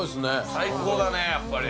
最高だね、やっぱり。